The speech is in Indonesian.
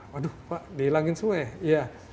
waduh pak dihilangin semua ya